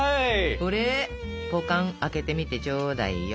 これぱかん開けてみてちょうだいよ。